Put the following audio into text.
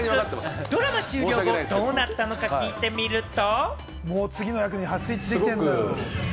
ドラマ終了後どうなったのか聞いてみると。